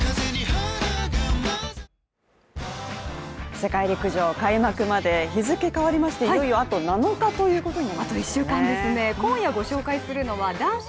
世界陸上開幕まで、日付かわりまして、いよいよあと７日ということなりました。